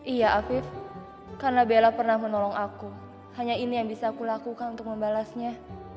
iya afif karena bella pernah menolong aku hanya ini yang bisa aku lakukan untuk membalasnya